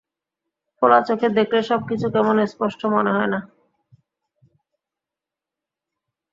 খোলা চোখে দেখলে সবকিছু কেমন স্পষ্ট মনে হয়, না?